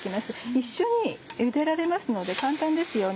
一緒に茹でられますので簡単ですよね。